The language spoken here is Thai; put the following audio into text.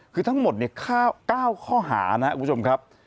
คือทั้งหมด๙ข้อหานะครับคุณผู้ชมครับ